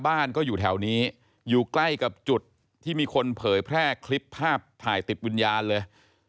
บ้านก็อยู่แถวนี้อยู่ใกล้กับจุดที่มีคนเผยแพร่คลิปภาพถ่ายติดวิญญาณเลย